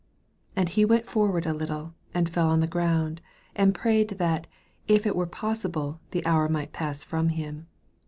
35 And he went forward a little, and fell on the ground, and prayed that, if it were possible, the hour might pass from him.